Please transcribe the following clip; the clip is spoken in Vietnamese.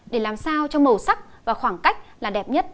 để làm sao cho màu sắc và khoảng cách là đẹp nhất